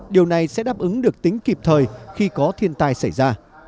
điều này sẽ đáp ứng được tính kịp thời khi có thiên tai xảy ra